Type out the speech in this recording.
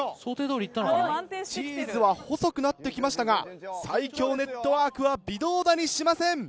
チーズは細くなって来ましたが最強ネットワークは微動だにしません。